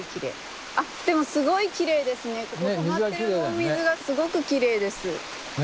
ここたまってるお水がすごくきれいです。ね？